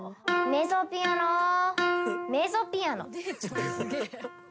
メゾピアノ。